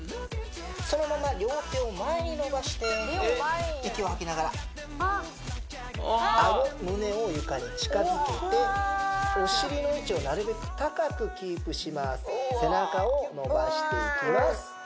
そのまま両手を前に伸ばして息を吐きながらあご胸を床に近づけてお尻の位置をなるべく高くキープします背中を伸ばしていきます